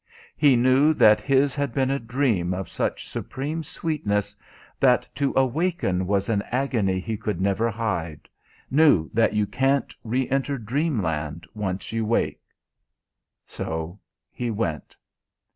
He knew that his had been a dream of such supreme sweetness that to awaken was an agony he could never hide; knew that you can't re enter dreamland once you wake. So he went.